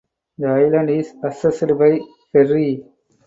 The island is accessed by ferry.